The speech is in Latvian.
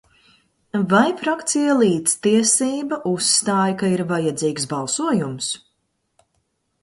"Vai frakcija "Līdztiesība" uzstāj, ka ir vajadzīgs balsojums?"